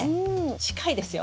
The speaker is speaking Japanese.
近いですよ。